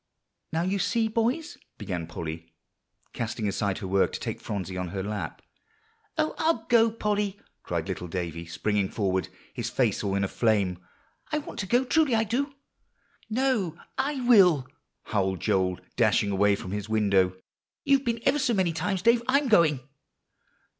"Now you see, boys," began Polly, casting aside her work to take Phronsie on her lap. "Oh, I'll go, Polly!" cried little Davie, springing forward, his face all in a flame. "I want to go; truly I do." "No, I will," howled Joel, dashing away from his window. "You've been ever so many times, Dave; I'm going."